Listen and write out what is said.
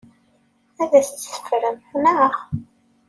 Ad tt-teffrem, naɣ?